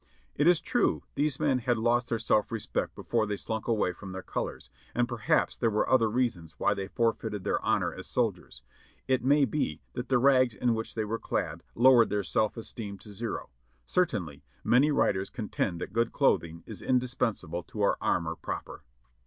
It is true these men had lost their self respect before they slunk away from their colors, and perhaps there were other reasons why they forfeited their honor as soldiers: it may be that the rags in which they were clad lowered their self esteem to zero; certainly many writers contend that good clothing is indispensable to our amour propre.